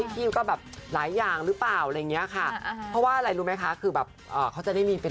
พี่ก็แบบหลายอย่างรึเปล่าอะไรอย่างนี้ค่ะ